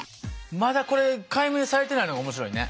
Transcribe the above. まだこれ解明されてないのが面白いね。